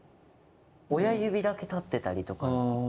親指だけ立ってたりとか。